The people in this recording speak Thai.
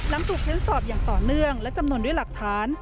หลังถูกเค้นสอบอย่างต่อเนื่องและจำนวนด้วยหลักฐาน